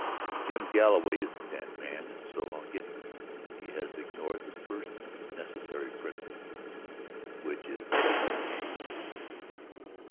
Jim Galloway isn't that man and so I'll get him. He has ignored the first necessary principle, which is the lone hand."